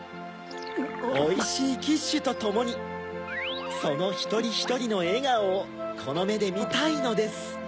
おいしいキッシュとともにそのひとりひとりのえがおをこのめでみたいのです。